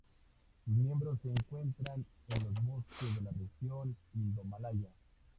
Sus miembros se encuentran en los bosques de la región indomalaya.